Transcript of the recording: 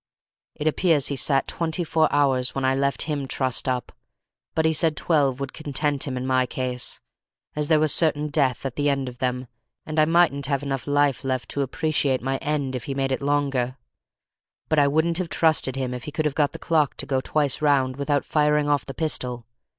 It appears he sat twenty four hours when I left him trussed up, but he said twelve would content him in my case, as there was certain death at the end of them, and I mightn't have life enough left to appreciate my end if he made it longer. But I wouldn't have trusted him if he could have got the clock to go twice round without firing off the pistol.